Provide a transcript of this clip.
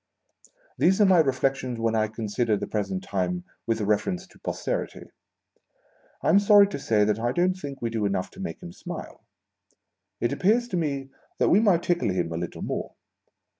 These are my reflections when I consider the present time with a reference to Posterity. I am sorry to say that I don't think we do enough to make him smile. It appears to me that we might tickle him a little more.